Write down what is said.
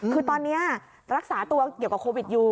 คือตอนนี้รักษาตัวเกี่ยวกับโควิดอยู่